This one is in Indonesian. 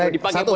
itu dipakai buat